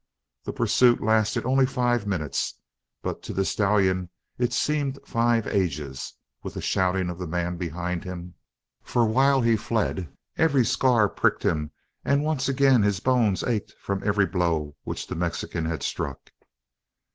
The pursuit lasted only five minutes, but to the stallion it seemed five ages, with the shouting of the man behind him, for while he fled every scar pricked him and once again his bones ached from every blow which the Mexican had struck.